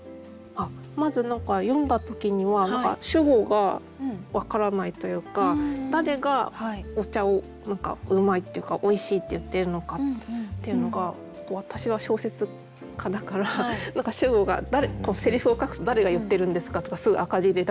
まず何か読んだ時には何か主語がわからないというか誰がお茶を何かうまいっていうかおいしいって言っているのかっていうのが私は小説家だから何か主語が誰こうせりふを書くと「誰が言ってるんですか？」とかすぐ赤字入れられるから。